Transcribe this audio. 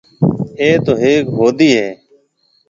اَي تو هيڪ هودَي هيَ؟